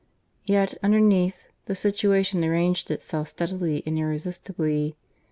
Yet, underneath, the situation arranged itself steadily and irresistibly.